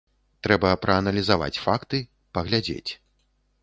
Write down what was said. Трэба прааналізаваць факты, паглядзець.